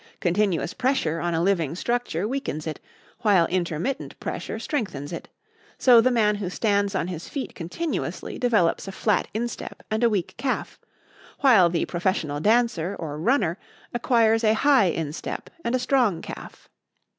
Continuous pressure on a living structure weakens it, while intermittent pressure strengthens it; so the man who stands on his feet continuously develops a flat instep and a weak calf, while the professional dancer or runner acquires a high instep and a strong calf.